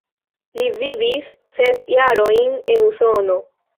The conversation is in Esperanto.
Li vivis ses jarojn en Usono.